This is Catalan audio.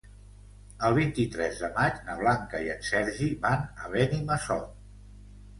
El vint-i-tres de maig na Blanca i en Sergi van a Benimassot.